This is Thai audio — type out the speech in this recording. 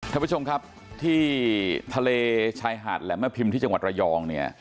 ท่านผู้ชมครับที่ทะเลชายหาดแหลมแม่พิมพ์ที่จังหวัดระยองเนี่ย